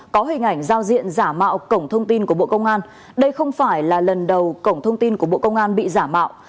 có hình ảnh giao diện giả mạo cổng thông tin của bộ công an đây không phải là lần đầu cổng thông tin của bộ công an bị giả mạo